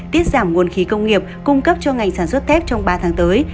tiết giảm nguồn khí công nghiệp cung cấp cho ngành sản xuất thép trong ba tháng tới